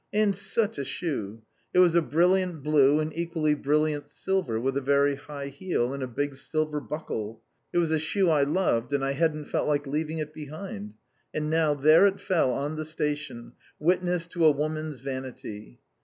And such a shoe! It was a brilliant blue and equally brilliant silver, with a very high heel, and a big silver buckle. It was a shoe I loved, and I hadn't felt like leaving it behind. And now there it fell on the station, witness to a woman's vanity.